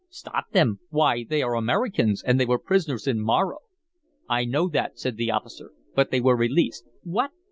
"Stop them! Why they are Americans, and they were prisoners in Morro." "I know that," said the officer. "But they were released." "What!"